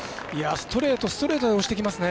ストレート、ストレートで押してきますね。